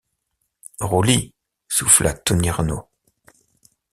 Roulis, souffla Tony Renault.